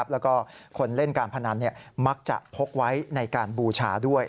แล้วก็คนเล่นการพนันมักจะพกไว้ในการบูชาด้วย